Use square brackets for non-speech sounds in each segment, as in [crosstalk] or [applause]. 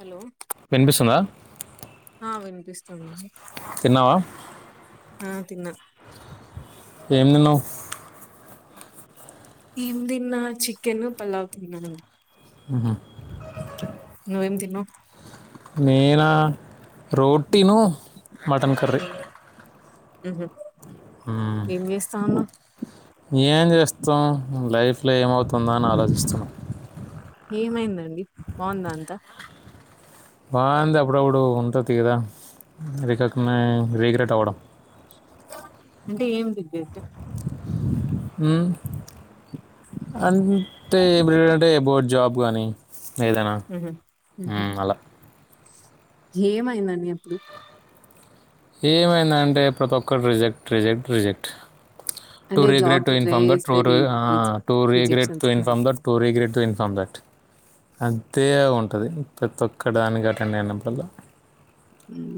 Hello విన్పిస్తుందా ఆ వినిపిస్తుంది తిన్నావా ఆ తిన్న ఏం తిన్నావు ఎంతిన్నా చికెన్ పలావ్ తిన్నానండి నువ్వేం తిన్నావ్ నేనా రోటీను మటన్ కర్రీ ఊహూ ఏం చేస్తా ఉన్నావు ఏం చేస్తాం లైఫ్లో ఏమవుతుందో అని ఆలోచిస్తున్న ఏమైందండి బాగుందా అంతా బాగుంది అప్పుడప్పుడు ఉంటది కదా రికక రీగ్రెట్ అవ్వడం అంటే ఏం దిగ్గట్ ఉం అంటే ఇపుడు ఏంటి అంటే ఎ బో జాబ్ గానీ ఏదనా ఉహు ఉహు ఉమ్ అలా ఏమైందండి అప్పుడు ఏమైంద అంటే ప్రతి ఒక్కరు రిజెక్ట్ రిజెక్ట్ రిజెక్ట్ టూ అంటే జాబ్ రిగ్రట్ టు కి ట్రై ఇన్ఫార్మ్ దా టు చేస్తే రి రిజె ఆహ్ to regret rejections to inform um that to regret to inform that అంతే ఉంటాది ప్రతి ఒక్క దానికి అటెండ్ అయినప్పుడల్లా ఉం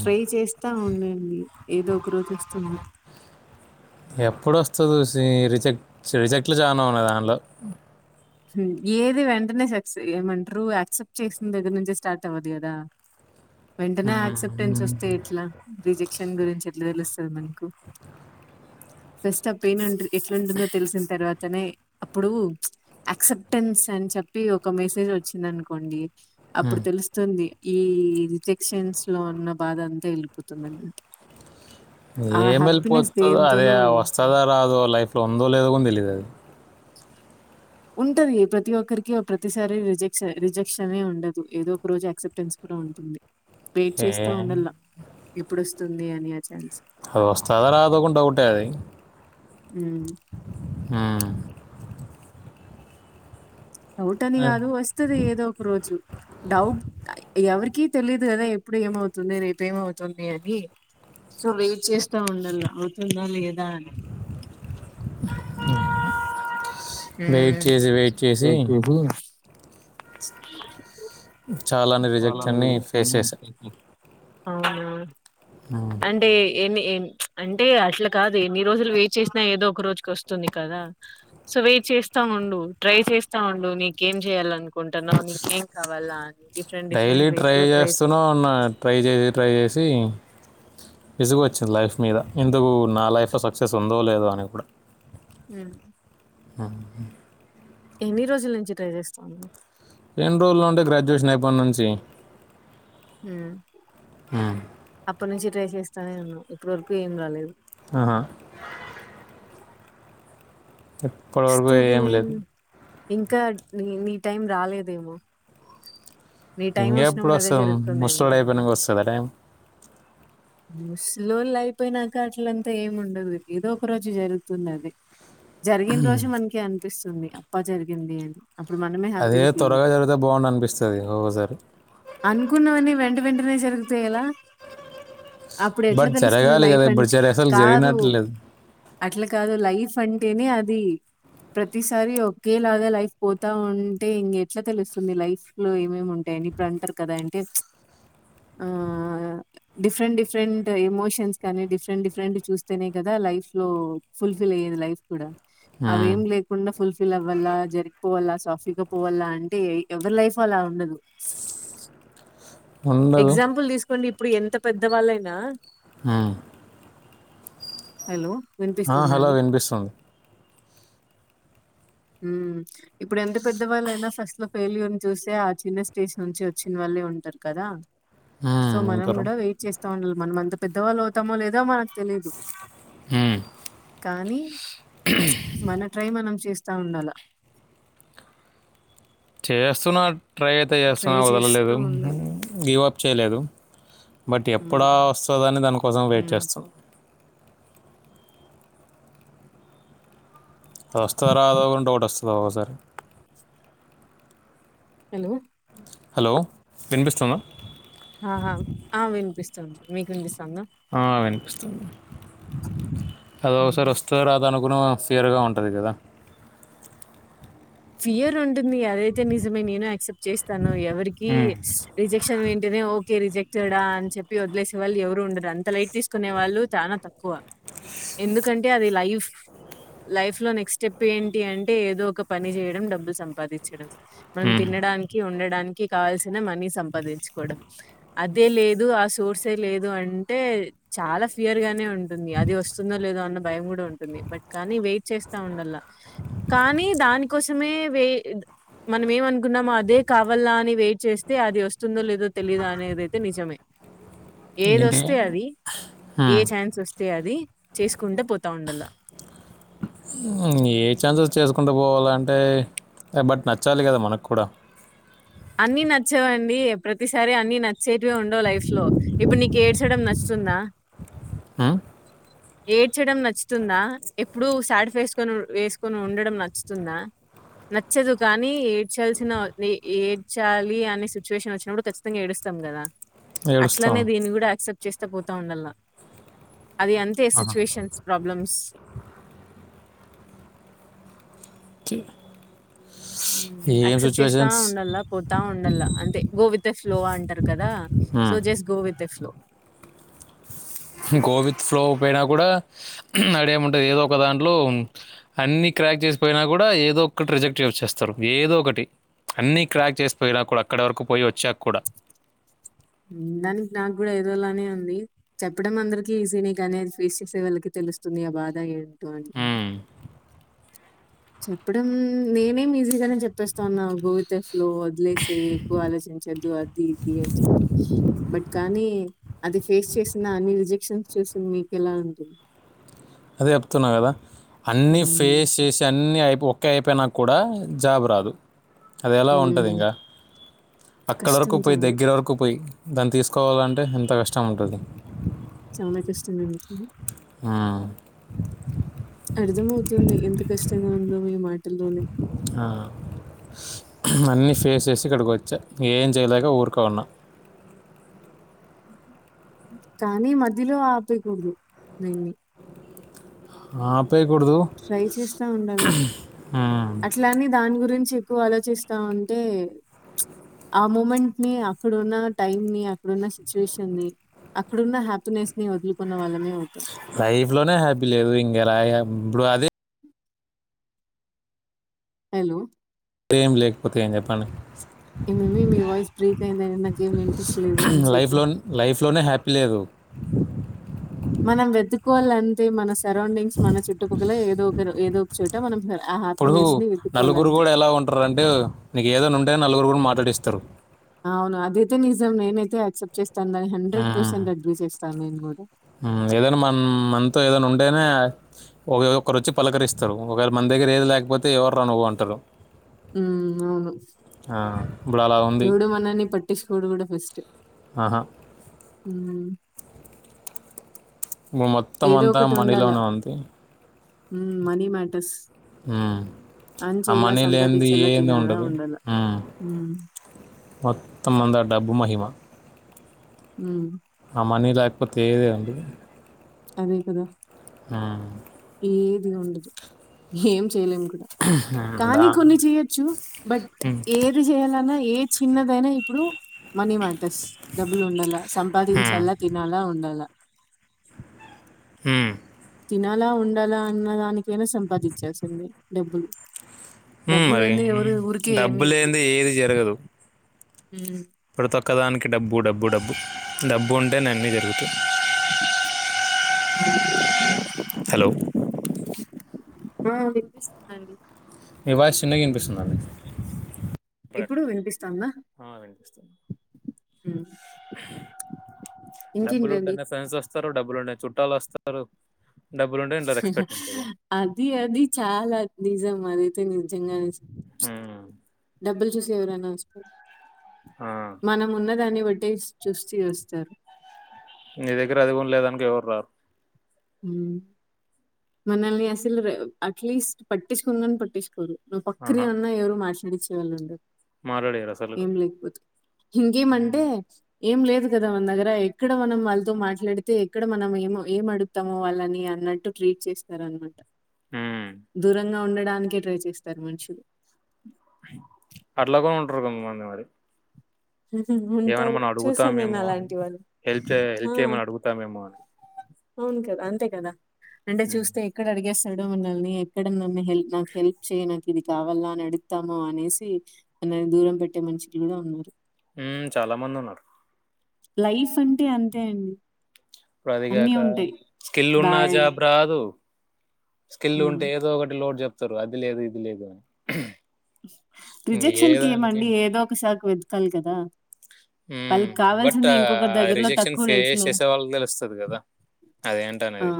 ట్రై చేస్తా ఉండండి ఏదో ఒక రోజు వస్తుంది ఎప్పుడొస్తది సి రిజెక్ట్ రిజెక్ట్లు చాన ఉన్నాయి దానిలో ఏది వెంటనే సక్స ఏమంటారు యాక్సెప్ట్ చేసిన దగ్గర నుంచే స్టార్ట్ అవ్వదు కదా వెంటనే యాక్సెప్టెన్స్ వస్తే ఎట్లా రిజెక్షన్ గురించి ఎట్లా తెలుస్తుంది మనకు ఫస్ట్ అప్యిన్ంట ఎట్లాంటుందో తెలిసిన తర్వాతనే అప్పుడు అక్సెప్టెన్స్ అని చెప్పి ఒక మెసేజ్ వచ్చిందినుకోండి అప్పుడు తెలుస్తుంది ఈ రిజెక్షన్స్ లో ఉన్న బాధ అంతా వెళ్ళిపోతుందిన్న ఏ మల్ పోతుదు అద వస్తదా రాదో లైఫ్ లో ఉందో లేదో కొని తెలీయదు అది ఉంటది ప్రతి ఒక్కరికి ప్రతిసారి ర రిజెక్షనే ఉండదు ఏదో ఒక రోజు క్సెప్టెన్స్ కూడా ఉంటుంది వెయిట్ ఏ చేస్తా ఉండల్లా ఎప్పుడు వస్త తుంది అని అ అది వస్తుందా రాదకుం డౌట్ ఎ అది ఉమ్ డౌట్ అని కాదు వస్తుది ఏదో ఒక రోజు డౌట్ ఎవరికి తెలీదు కదా ఎప్పుడు ఏమవుతుంది రేపు ఏమవుతుంది అని సో వెయిట్ చేస్తా ఉండాల అవుతుందా లేదా అని వెయిట్ చేసి వెయిట్ చేసి [inaudible] చాలాని రిజెక్ట్ కాలాన్ని అని ఫేస్ కుదుర్చుకొని చేసా చేద్దాం. అవునా అంటే ఎన్ని అంటే అట్లా కాదు ఎన్ని రోజులు వెయిట్ చేసినా ఏదో ఒక రోజుకి వస్తుంది కదా సో వెయిట్ చేస్తా ఉండు ట్రై చేస్తా ఉండు నీకేం చేయ్యాల అనుకుంటున్నావు నీకేం కావాలా అని different daily different ways try లో చెయ్ చేస్తునె ఉన్న ట్రై చేసి ట్రై చేసి విసుగచ్చింది లైఫ్ మీద ఎందుకు నా లైఫ్లో సక్సెస్ ఉందో లేదో అని ఇప్పుడు ఉమ్ హ ఎన్ని రోజుల నుంచి ట్రై చేస్తు ఉన్నారు ఎన్ని రోజుల్లో ఉండి గ్రాడ్యుయేషన్ రేపటి నుంచి అప్పట్నుంచి ట్రై చేస్త సరే నుండి ఇప్పటివరకు ఏం రాలేదు అహ ఫ్యాంక్ ఇప్పడివరకు ఏమి లేదు ఇంక ని నీ టైం రాలేదేమో నీ టైం ఇంగ్య ఎప్పుడు వచ్చినప్పుడు అదే వస్తుంది జరుగుతుందేమో ముసలోడు అయిపోయినక వస్తద టైమ్ ముస్లోల్ అయిపోయినాక అట్లంతా ఏమి ఉండదు ఇదోక రోజు జరుగుతుంది అది జరిగిన్ రోజు మనకే అనిపిస్తుంది అబ్బ జరిగింది అప్పుడు మనమె అదే హ్యాపీగా ఫీల్ త్వరగా అవుతాం జరిగితే బాగుండు అనిపిస్తుంది ఒక్కొక్కసారి అనుకున్నవన్నీ వెంట వెంటనె జరుగు తేల అప్పుడు ఎట్లా బట్ తెలుస్తది జరగాలి కదా లైఫ్ ఇప్పుడు అంటే జరి అసలు కాదు జరిగినట్టు లేదు అట్ల కాదు లైఫ్ అంటే అంటేనే అది ప్రతిసారి ఒక్కేలాగా లైఫ్ పోత ఉంటే ఇంగేట్ల తెలుస్తుంది లైఫ్ లో ఏమేమి ఉంటాయని ఇప్పుడు అంటారు కదా అంటే ఆ డిఫ్రెంట్ డిఫ్రెంట్ ఎమోషన్స్ కానీ డిఫరెంట్ డిఫరెంట్ చూస్తేనే కదా లైఫ్ లో ఫుల్ఫిల్ అయ్యేది లైఫ్ ఇవ్వడా ఉమ్. అవేం లేకుండ ఫుల్ ఫిల్ వీళ్ళ వల్లా జరిగిపోవాలా సాఫీగా పోవలా అంటే ఎవరి లైఫ్ అలా ఉండదు ఉండదు ఎగ్జాంపుల్ తీసుక కొన్ని ఇప్పుడు ఎంత పెద్దవాళ్ళైనా అ హెలో ఆ హలొ వినిపిస్తుంది ఉమ్ ఇప్పుడు ఎంత పెద్దవాళ్ళైనా ఫస్ట్ లో ఫెయిల్యూర్ ని చూసె ఆ చిన్న స్టేజ్ నుంచి వచ్చిన వాళ్ళే ఉంటారు కదా ఆ ఉంటరు తోండ్లు మనం అంత పెద్దవాళ్ళు అవుతామో లేదో మనకు తెలీదు ఉహ్ కాని మన ట్రై మనం చేస్ స్తా ఉండల ఏస్తున్న ట్రై అయితే చేస్తాను వదల చేస్తూ లేదు ఉండాలి గివ్ వప్ చేయలెదు బట్ హ్మ్ ఎప్పుడా వస్తదని దానికోసం వెయిట్ హ్మ్ చేస్తాం అది వస్తదో రాదో కూడా డౌట్ వస్తది ఒకోసారి హలో హలో వినిపిస్తుందా ఆహా ఆ వినిపిస్తుంది మీకు వినిపిస్ ఆ వినిపిస్తా త అది ఒకసారి వస్తాద రాద అను కుణ ఫెయిర్ గా ఉంటది కదా ఫియరు ఉం టుంది అదైతే నిజమే నేను యాక్సెప్ట్ చేస్తాను ఎవరికి ఉమ్. రిజెక్షన్ అంటేనే రిజెక్టెడా అని చెప్పి వదిలేసే వాళ్ళు ఎవరు ఉండరు అంత లైట్ తీసుకునే వాళ్ళు చాలా తక్కువ ఎందుకంటే అది లైఫ్ లైఫ్ లో నెక్స్ట్ స్టెప్ ఏంటి అంటే ఏదో ఒక పని చేేయడం డబ్బులు సంపాదించడం మనం మ్మ్. తినడానికి ఉండ డానికి కావల్సిన మనీ సంపాదించుకోవడం అదే లేదు ఆ సోర్సే లేదు అంటే చాలా ఫియర్ గానే ఉ టుంది అది వస్తుందో లేదో అన్న భయం కూడా ఉంటుంది బట్ కానీ వెయిట్ చేస్తా ఉండలా కానీ దాని కోసమే వే మనం ఏమనుకున్నామో అదే కావాల అని వెయిట్ చేస్తే అది వస్తుందో లేదో తెలియదా అనేదైతే నిజమే ఏంటి ఏదొస్తే అది ఏ మ్మ్. ఛాన్స్ వస్తే అది చేసుకుంటే పోతా ఉండలా పోవాల అంటే బట్ నచ్చాలి కదా మనకు కూడా అన్ని నచ్చవండి ప్రతిసారి అన్ని నచ్ సేటుగా ఉండవు లైఫ్ లో ఇప్పుడు నీ కెడ్చడం నచ్చుతుంద ఆ ఏడ్చడం నచ్చుతుందా ఎప్పుడూ సాడ్ ఫేస్ కొని వేసుకొని ఉండడం నచ్చుతుందా నచ్చదు కానీ ఏడ్చాల్సిన వే ఏడ్చాలి అనే సిచ్యువేషన్ వచ్చినప్పుడు ఖచ్చితంగా ఏడుస్తాం కదా అట్లనే ఏడుస్తాం దీని కూడా యాక్సెప్ట్ చేస్తా పోతా ఉండల్లా అది అంతే ఆహా. సిచ్యువేషన్స్ ప్రాబ్లమ్స్ ఏం అక్సెప్ట్ చేస్తా సిచ్యువేషన్స్ ఉండల్లా పోతా ఉండల్లా అంతే గో విత్ ఎ ఫ్లో అంటారు కదా so just go with a flow go with flow పోయినా కూడా అడేముంటది ఏదో ఒక దాంట్లో అన్ని క్రాక్ చేసిపోయినా కూడా ఏదో ఒకటి రిజెక్ట్ వచ్చేస్తారు ఏదో ఒకటి అన్ని క్రాక్ చేసిపోయినా కూడా అక్కడ వరకు పోయి వచ్చాక కూడా దాన్ దానికి నాకు కూడా ఏదోలానే ఉంది చెప్పడం అందరికీ ఈజీనే కానీ అది ఫేస్ చేసే వాళ్ళకి తెలుస్తుంది ఆ బాధ ఏ అని మ్మ్. చెప్పడం నేనేం ఈజీగానే చెప్పేస్తాను నాకు ఇదో ఫ్లో వదిలేసేయ్ ఎక్కువ ఆలోచించద్దు అది ఇది అని చెప్పి బట్ కానీ అది ఫేస్ చేసిన అన్ని రిజెక్షన్స్ చూసిన మీకు ఎలా ఉంటుంది అదే చెప్తున్నా కదా అన్ని ఉమ్ ఫేస్ చేసి అన్ని ఐ ఒకే అయిపోయినాక కూడా జాబ్ రాదు అది ఎలా ఉంటది ఉమ్ ఇంకా అక్కడ కష్టం వరకు పోయి చానా దగ్గర వరకు పోయి దాన్ని తీసుకోవాలంటే ఎంత కష్టం ఉంటది చాలా కష్టంగా ఉంటది ఆ పల్లోని ఆ అన్నీ ఫేస్ చేసి ఇక్కడికి వచ్చా ఏం చేయలేక ఊరుకో ఉన్నా కానీ మధ్యలో ఆపేయకూడదు దేన్ని ఆ ట్రై చేస్తా ఉండాల అట్లాని దాని గురించి చి ఎక్కువ ఆలోచిస్తావుంటే ఆ మూమెంట్ ని అక్కడున్న టైం ని అక్కడున్న సిచ్యువేషన్ ని అక్కడున్న హ్యాపీనెస్ ని వదులుకున్న వాళ్ళమే అవుతాం లైఫ్ లోనే హ్యాపీ లేదు ఇంగ్ ఎలాగా ఇప్పుడు అదే హలో ఏం లేకపోతే ఏం చెప్పండి ఏమేమి మీ వాయిస్ బ్రేక్ అయింద నాకేమి వినిపించలేదు అని చెప్పు లైఫ్లో లైఫ్లోనే హ్యాపీ లేదు మనం వెతు కోవాలి అంతే మనసుకు సరౌండింగ్స్ మన చుట్టుపక్కల ఏదో ఒకరు ఏదో ఒక చోట మనం సెలె ఇప్పుడు నలుగురు కూడా ఎలా ఉంటారు అంటే నీకు ఏదైనా ఉంటే నలుగురు కూడా మా డిస్తరు అవును అదైతే నిజం నేనైతే యాక్సెప్ట్ చేస్ తను హండ్రెడ్ పర్సెంట్ అగ్రి చేస్తా ఆ మేము కూడా ఆ ఏదైనా మన మనతో ఏదైనా ఉంటేనే ఒకరు వచ్చి పలకరిస్తారు ఒకవేళ మన దగ్గర ఏది లేకపోతే ఎవరు రా నువ్వు అంటారు ఉ అవును ఆ, ఇప్పుడు అలా ఉంది ఎవడు మనని పట్టించుకోడు కూడా ఫస్ట్ ఆహా ఉ మొత్తం అంతా మనీలోనే ఉంది ఉ మనీ మాటర్స్ ఆ మనీ లేందే సంపాదించాలా, ఏం తినాలా, ఉండదు ఉండాలా. హ్మ్. మొత్తం అంద డబ్బు మహిమా ఉమ్ మనీ లేకపోతే ఏది అందదు అదే కదా ఆ ఏది ఉండదు ఏం చేయలేం కూడా ఉమ్, కానీ దా కొన్ని చేయచ్చు బట్ ఉమ్, ఏది చేయాలన్నా ఏ చిన్నదైనా ఇప్పుడు మనీ మాటస్ డబ్బులు ఉండాల ఉమ్, సంపాదించాలా తినాలా ఉండాలా ఉమ్ తినాలా ఉండాలా అన్న దానికైనా సంపాదించాల్సిందే డబ్బులు ఉమ్ డబ్బు మరి లేనిదే ఎవరు ఊరికే ఏమి డబ్బులేందే ఏది జరగదు ఉమ్ ప్రతి ఒక్కదానికి డబ్బు డబ్బు డబ్బు డబ్బు ఉంటే అన్ని జరుగుతాయి హ్మ్. హలో ఆ వినిపిస్తుందండి మీ వాయస్ చిన్నగా వినిపిస్తుందండి ఇప్పుడు వినిపిస్తుంద ఆ, వినిపిస్తుంది ఉమ్ డబ్బులు ఇంకేంటండి? ఉంటెనే సన్స్ వస్తుంది వస్తారు డబ్బులుంటే చుట్టాలు వస్తారు డబ్బులు ఉంటే ఇంట్లో రెస్పెక్ట్ ఉంటుంది అది అది చాలా నిజం అదైతే నిజంగానే ఉమ్, డబ్బులు చూస్ ఎవరైనా వస్తారు ఆ. మనం ఉన్న దాన్ని బడ్ టేస్ట్ చూస్తే వస్తారు నీ దగ్గర అది కూడా లేదనుకో ఎవరు రారు మనల్ని అసలు అట్లీస్ట్ పట్టించుకోను గానీ పట్టిచుకోరు ఆహా పక్రిీయనన్న ఎవరు మా పడిచే వలందర్ మాట్లాడారు అసలు ఏం లేకపోతే ఉమ్. ఇంకేమంటే ఏం లేదు కదా మన దగ్గర ఎక్కడ మనం వాళ్ళతో మాట్లాడితే ఎక్కడ మనం ఏమో ఏం అడుగు త్తమొ వాళ్ళని అన్నట్టు ట్రీట్ చేస్తారనమాట ఉమ్. దూరంగా ఉండడానికే ట్రై చేస్తారు మనుషులు మోన్న మరి ఏమైనా ఉంటారు మనం చూసాను నేను అడుగుతామేమో అని అలాంటి వాళ్ళు హెల్ప్ చే ఆ హెల్ప్ చేయమని అడుగుతామేమో అని అవును కదా అంతే కదా అంటే ఉమ్. చూస్తే ఎక్కడ అడిగేస్ డ మనల్ని ఎక్కడ నన్ను హెల్ప్ నాకు హెల్ప్ చేయ నాకు ఇది కావాల అని అడుగుతామ అనేసి మనల్ని దూరం పెట్టే మనుషులు కూడా ఉన్నారు ఉ చాలా మంది ఉన్నారు లైఫ్ అంటే అంతే అండి ఇప్పుడు అన్ని అదిగాక ఉంటాయి స్కిల్ ఉన్నా బ్యాడ్ జాబ్ రాదు స్కిల్ ఉంటే ఏదో ఒకటి లోట్ చెప్ చెప్తారు అది లేదు ఇది లేదు అని ఏ రిజెక్షన్ కి దానికి ఏమండి ఏదో ఒకసారి వెతకాలి కదా ఊ వాళ్ళకి బట్ కావాల్సింది ఇంకొకరి ఆది దగ్గరలో రిజెక్షన్ తక్కువ రేట్ ఫేస్ లో చేసే వాళ్ళు తెలుస్తుది కదా ఆ అదేంటనేది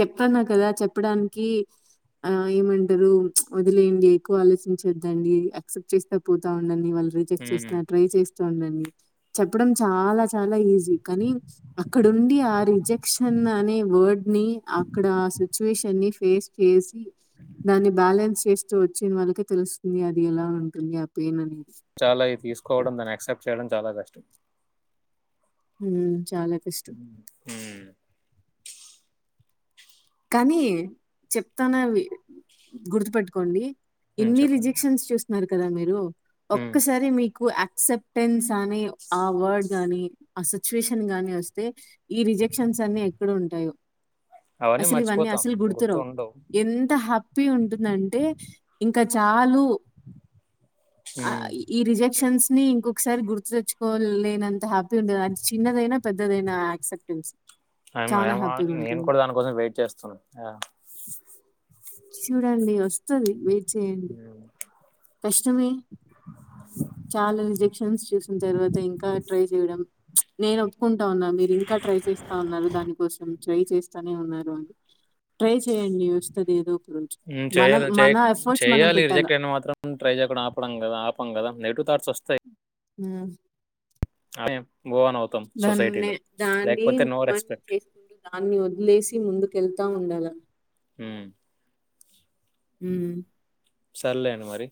చెప్తన్నా కదా చెప్పడానికి ఆ ఏమంటారు వదిలేయండి ఎక్కువ ఆలోచించొద్దండి యాక్సెప్ట్ చేస్తా పోతా ఉం ఇవాళ రిజెక్ట్ హ్మ్. చేసిన ట్రై చేస్ బాధగా ఉందండి చెప్పడం చాలా చాలా ఈజీ కానీ అక్కడండి ఆ రిజెక్షన్ అనే వర్డ్ ని అక్కడ ఆ సిచ్యువేషన్ని ని ఫేస్ చేసి దాన్ని బ్యాలెన్స్ చేస్ సో వచ్చిన వాళ్ళకే తెలుస్తుంది అది ఎలా ఉంటుంది ఆ పెయిన్ అనేది చాలా ఇది తీసుకోవడం దాని అక్సెప్ట్ చేయడం చాలా కష్టం ఊ ఊ కానీ చెప్తానవి గుర్తుపెట్టుకోండి హ్మ్. ఎన్ని చెప్పండి. రిజెక్షన్స్ చూస్ న్నారు కదా మీరు హ్మ్. ఒక్కసారి మీ అక్సెప్టెన్స్ అని ఆ వర్డ్ గానీ ఆ సిచ్యుయేషన్ గాని వస్తే ఈ రిజెక్షన్స్ అన్ని ఎక్కడ ఉంటాయో అవన్నీ అసలు ఇవన్నీ మర్చిపోతాం. అసలు గుర్తురావు గుర్తుండవు. ఎంత హ్యా హ్యాపీ ఉంటుందంటే ఇంక చాలు ఆ హ్మ్. ఈ రిజెక్షన్స్ ని ఇంకొకసారి గుర్తు తెచ్చుకోవలేనంత హ్యాపీ ఉండేది అది చిన్నదైనా పెద్దదైనా యాక్సెప్టెన్స్ చానా అయమయమా హ్యాపీ‌గా నేను ఉంటుంది. కూడా దానికోసం వెయిట్ చేస్తున్నా చూడండి వస్తది వెయిట్ చేయండి. హ కష్టమే ఆ చాలా రిజెక్షన్స్ చూసిన తర్వాత ఇంకా ట్రై చేయడం నేను ఒప్పుకుంటా ఉన్నా మీరు ఇంకా ట్రై చేస్తా ఉన్నారు దానికోసం ట్రై చేస్తానే ఉన్నారు అ ట్రై చేస్ ఊ మనం చేయాల మన ఎఫర్ట్స్ మనం చేయాలి పెట్టాల రిజెక్ట్ అయిన మాత్రం ట్రై చేయకుడా ఆపడం కదా ఆపం కదా నెగు ఊ అయే దాన్ని దాన్ని లేకపోతే నో మమ్మల్ని రెస్పెక్ట్ చేసుకుంటూ దాన్ని వదిలేసి ముందుకేళ్తా ఉండాల ఊ ఊ సర్లేండి మరి.